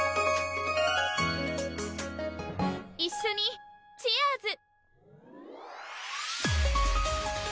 一緒にチアーズ！